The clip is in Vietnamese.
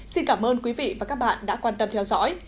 xin cảm ơn quý vị và các bạn đã quan tâm theo dõi